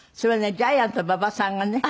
ジャイアント馬場さんがね